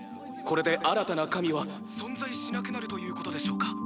これで新たな神は存在しなくなるということでしょうか